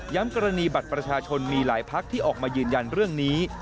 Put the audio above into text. กรณีบัตรประชาชนมีหลายพักที่ออกมายืนยันเรื่องนี้